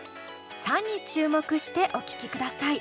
「さ」に注目してお聴きください。